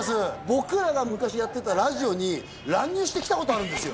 僕らが昔やってたラジオに乱入してきたことあるんですよ